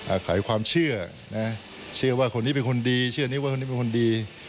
อาศัยความเชื่อนะเชื่อว่าคนนี้เป็นคนดีเชื่อนี้ว่าคนนี้เป็นคนดี